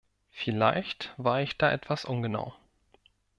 Vielleicht war ich da etwas ungenau.